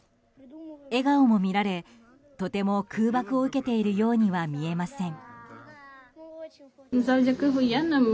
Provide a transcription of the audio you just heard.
笑顔も見られとても空爆を受けているようには見えません。